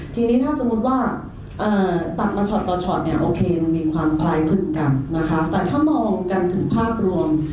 ทีนี้ถ้าสมมุติว่าตัดมาช็อตต่อช็อตเนี่ยโอเคมันมีความคล้ายคึกกันนะคะแต่ถ้ามองกันถึงภาพรวม